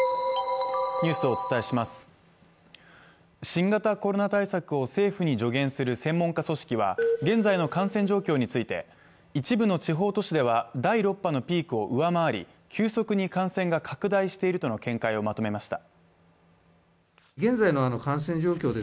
新型コロナ対策を政府に助言する専門家組織は現在の感染状況について、一部の地方都市では第６波のピークを上回り急速に感染が拡大しているとの見解をまとめました。